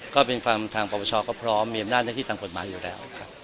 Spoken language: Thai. ก็เป็นความทางปรปชก็พร้อมมีอำนาจหน้าที่ทางกฎหมายอยู่แล้วครับ